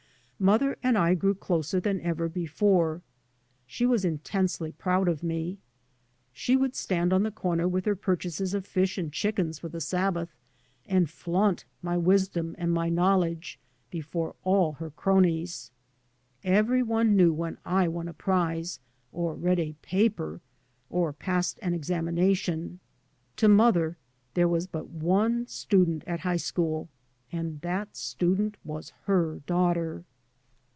Mother and I grew closer than ever before. She was intensely proud of me. She would stand on the corner with her purchases of fish and chickens for the Sabbath and flaunt my wisdom and my knowledge before all her cronies. Every one knew when I won a prize, or read a " paper," or passed an examination. To mother there was but one student at hi^ school, and that student was her daughter.